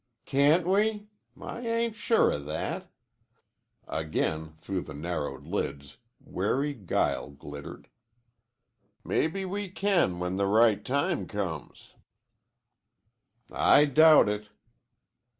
"Can't we? I ain't sure o' that." Again, through the narrowed lids, wary guile glittered. "Mebbe we can when the right time comes." "I doubt it."